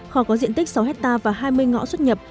kho có diện tích sáu hectare và hai mươi ngõ xuất nhập